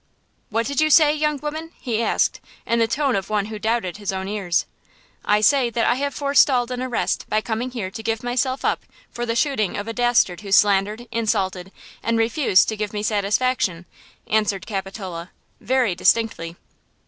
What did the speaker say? "What did you say, young woman?" he asked, in the tone of one who doubted his own ears. "I say that I have forestalled an arrest by coming here to give myself up for the shooting of a dastard who slandered, insulted and refused to give me satisfaction," answered Capitola, very distinctly.